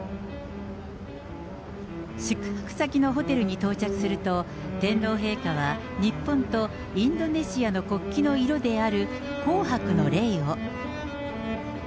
宿泊先のホテルに到着されると、天皇陛下は日本とインドネシアの国旗の色である紅白のレイを。